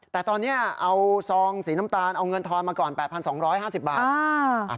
แต่ตอนนี้เอาซองสีน้ำตาลเอาเงินทอนมาก่อน๘๒๕๐บาท